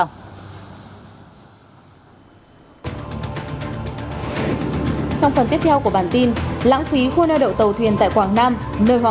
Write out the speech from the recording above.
trong phần tiếp theo của bản tin lãng phí khu nơi đậu tàu thuyền tại quảng nam